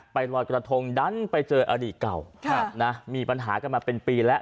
ลอยกระทงดันไปเจออดีตเก่ามีปัญหากันมาเป็นปีแล้ว